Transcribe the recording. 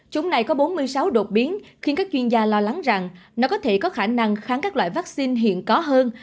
chúng này có bốn mươi sáu đột biến khiến các chuyên gia lo lắng rằng nó có thể có khả năng kháng các loại vaccine hiện có hơn